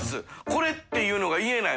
「これ」っていうのが言えない。